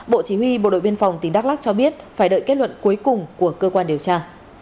bộ chỉ huy bộ đội biên phòng tỉnh đắk lắc cho biết phải đợi kết luận cuối cùng của cơ quan điều tra